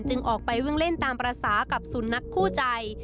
จึงออกไปวิ่งเล่นตามปราสาหกับศูนย์นักคู่ใจ